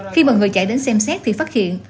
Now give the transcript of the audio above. khi mọi người chạy đến xem xét thì phát hiện